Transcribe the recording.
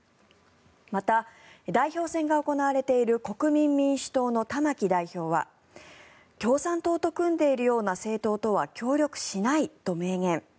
また、代表選が行われている国民民主党の玉木代表は共産党と組んでいるような政党とは協力しないと明言。